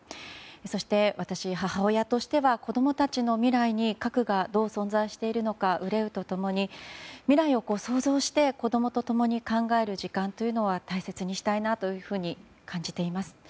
そして、私、母親としては子どもたちの未来に核がどう存在しているのか憂うとともに未来を想像して子どもとともに考える時間というのは大切にしたいなと感じています。